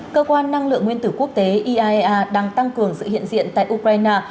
cơ quan năng lượng nguyên tử quốc tế iaea đang tăng cường sự hiện diện tại ukraine